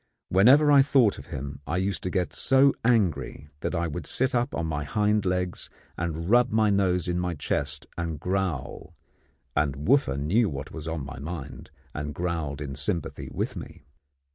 Whenever I thought of him, I used to get so angry that I would sit up on my hind legs and rub my nose in my chest and growl; and Wooffa knew what was in my mind, and growled in sympathy with me.